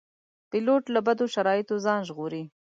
پیلوټ له بدو شرایطو ځان ژغوري.